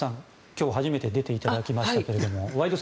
今日初めて出ていただきましたが「ワイド！